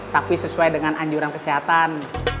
tapi sesuai dengan anjuran kesehatan